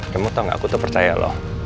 kamu tau gak aku tuh percaya loh